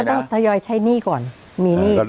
แต่เขาต้องตะยอยใช้หนี้ก่อนมีหนี้